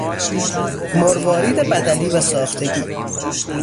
مروارید بدلی و ساختگی